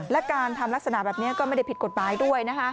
และการทำลักษณะแบบนี้ก็ไม่ได้ผิดกฎหมายด้วยนะคะ